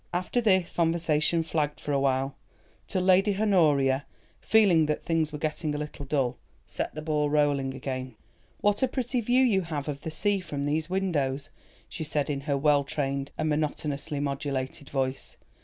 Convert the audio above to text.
After this, conversation flagged for a while, till Lady Honoria, feeling that things were getting a little dull, set the ball rolling again. "What a pretty view you have of the sea from these windows," she said in her well trained and monotonously modulated voice.